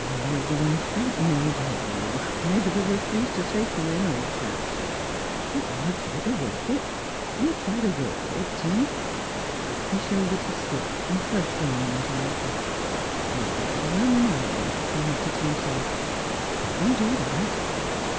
Ah, lad, though I don't know about you. Maybe they'll refuse to take you in, old chap ; but we'll try to work it, we'll try to work it, Tim.' He shouldered his stick, and trudged on resolutely. ' Hardly over a mile,' he muttered to himself, ' I can do that.'